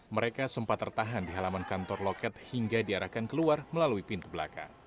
mereka sempat tertahan di halaman kantor loket hingga diarahkan keluar melalui pintu belakang